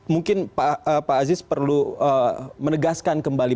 mungkin pak aziz perlu menegaskan kembali